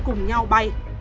cùng nhau bay